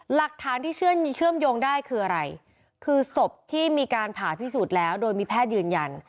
หลักฐานที่เชื่อมโยงได้คืออะไรคือศพที่มีการผ่าพิสูจน์แล้วโดยมีแพทย์ยืนยัน